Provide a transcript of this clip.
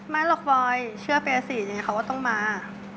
ไม่หรอกบอยเชื่อเฟียสิยังไงเขาว่าต้องมา